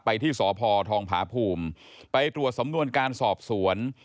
ที่สพทองผาภูมิไปตรวจสำนวนการสอบสวน